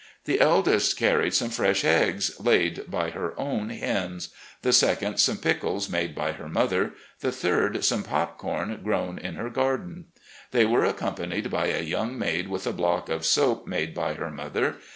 The eldest car FRONTING THE ARMY OF THE POTOMAC 143 ried some fresh eggs, laid by her own hens; the second, some pickles made by her mother; the third, some pop corn grown in her garden. They were accompanied by a young maid with a block of soap made by her mother.